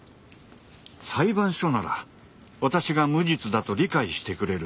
裁判所なら私が無実だと理解してくれる。